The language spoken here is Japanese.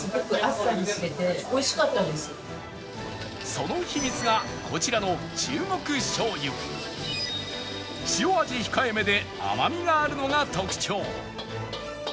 その秘密がこちらの塩味控えめで甘みがあるのが特徴